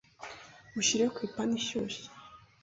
ushyire ku ipanu ishyuhye